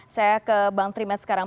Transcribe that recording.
saya ke bank trimedia sekarang